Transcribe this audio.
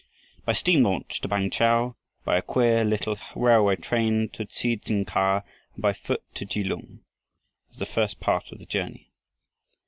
By steam launch to Bang kah, by a queer little railway train to Tsui tng kha and by foot to Kelung was the first part of the journey.